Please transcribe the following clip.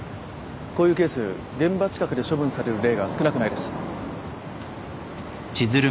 こういうケース現場近くで処分される例が少なくないです。